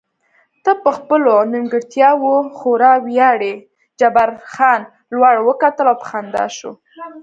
ته په خپلو نیمګړتیاوو خورا ویاړې، جبار خان لوړ وکتل او په خندا شو.